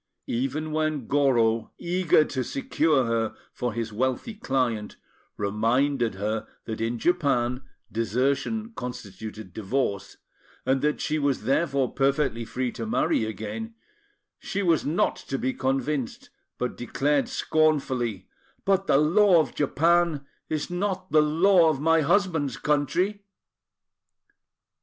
Even when Goro, eager to secure her for his wealthy client, reminded her that in Japan desertion constituted divorce, and that she was therefore perfectly free to marry again, she was not to be convinced, but declared scornfully: "But the law of Japan is not the law of my husband's country!"